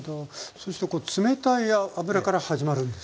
そして冷たい油から始まるんですね？